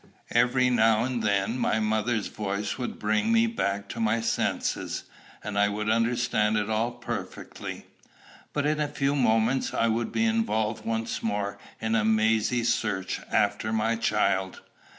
Every now and then my mother's voice would bring me back to my senses, and I would understand it all perfectly; but in a few moments I would be involved once more in a mazy search after my child.